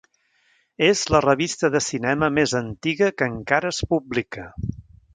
És la revista de cinema més antiga que encara es publica.